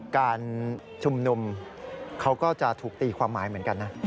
การชุมนุมเขาก็จะถูกตีความหมายเหมือนกันนะ